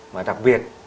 mà đặc biệt